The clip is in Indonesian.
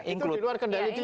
itu diluar kendali dia